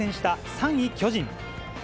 ３位巨人。